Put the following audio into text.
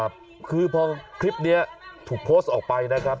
ครับคือพอคลิปนี้ถูกโพสต์ออกไปนะครับ